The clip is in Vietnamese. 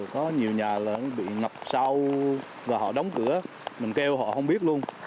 có nhiều nhà bị ngập sâu và họ đóng cửa mình kêu họ không biết luôn